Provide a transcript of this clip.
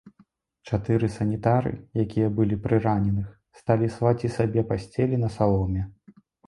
Чатыры санітары, якія былі пры раненых, сталі слаць і сабе пасцелі на саломе.